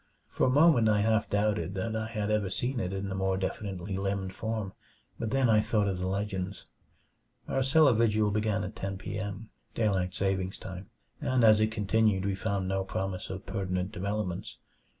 For a moment I half doubted that I had ever seen it in the more definitely limned form but then I thought of the legends. Our cellar vigil began at ten p. m., daylight saving time, and as it continued we found no promise of pertinent developments.